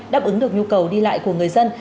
đáp ứng được nhu cầu đi lại của người dân